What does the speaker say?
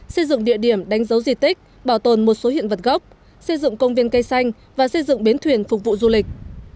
xây dựng địa điểm đánh dấu di tích bảo tồn một số hiện vật gốc xây dựng công viên cây xanh và xây dựng bến thuyền phục vụ du lịch